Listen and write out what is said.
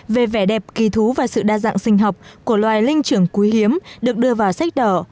về vẻ đẹp kỳ thú và sự đa dạng sinh học của loài linh trưởng quý hiếm được đưa vào sách đỏ